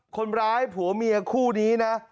คนร้ายผัวเมียคู่นี้นะ